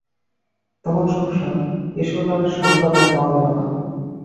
তখন সহসা কেশরলালের সংবাদ আর পাওয়া গেল না।